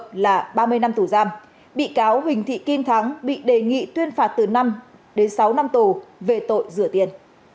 trần hồng là ba mươi năm tù giam bị cáo huỳnh thị kim thắng bị đề nghị tuyên phạt từ năm đến sáu năm tù về tội rửa tiền